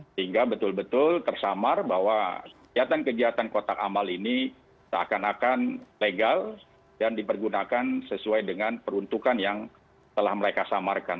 sehingga betul betul tersamar bahwa kegiatan kegiatan kotak amal ini seakan akan legal dan dipergunakan sesuai dengan peruntukan yang telah mereka samarkan